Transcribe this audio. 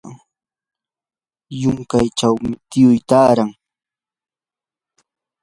yunkachawmi tiyu taaran.